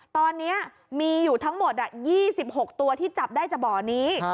ตอนนี้มีอยู่ทั้งหมด๒๖ตัวที่จับได้จากบ่อนี้